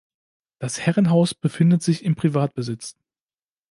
Das Herrenhaus befindet sich im Privatbesitz.